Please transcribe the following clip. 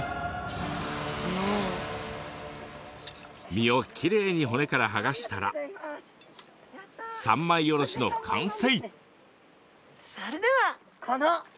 身をきれいに骨から剥がしたら三枚おろしの完成。